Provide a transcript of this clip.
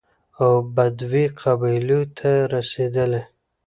او بدوي قبايلو ته رسېدلى،